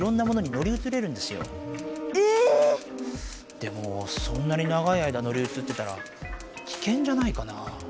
⁉でもそんなに長い間乗り移ってたら危険じゃないかなぁ。